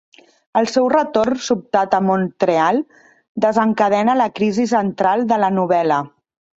El seu retorn sobtat a Montreal desencadena la crisi central de la novel·la.